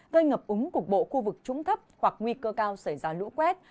gây ngập úng cục bộ khu vực trũng thấp hoặc nguy cơ cao xảy ra lũ quét